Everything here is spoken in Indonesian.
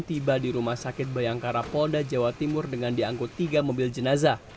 tiba di rumah sakit bayangkara polda jawa timur dengan diangkut tiga mobil jenazah